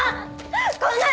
こんなの！